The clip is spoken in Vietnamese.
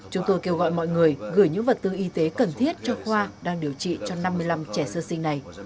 chúng tôi kêu gọi mọi người gửi những vật tư y tế cần thiết cho khoa đang điều trị cho năm mươi năm trẻ sơ sinh này